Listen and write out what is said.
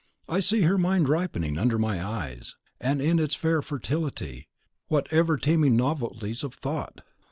I see her mind ripening under my eyes; and in its fair fertility what ever teeming novelties of thought!